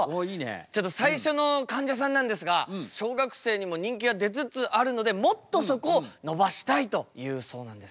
ちょっと最初のかんじゃさんなんですが小学生にも人気が出つつあるのでもっとそこを伸ばしたいというそうなんですね。